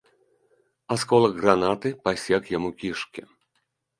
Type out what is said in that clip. Асколак гранаты пасек яму кішкі.